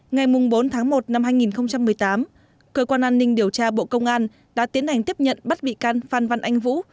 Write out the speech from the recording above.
ngày bốn tháng một năm hai nghìn một mươi tám cơ quan an ninh điều tra bộ công an đã tiến hành tiếp nhận bắt bị can phan văn anh vũ